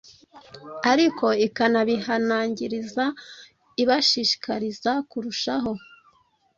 ariko ikanabihanangiriza ibashishikariza kurushaho